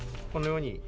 このように。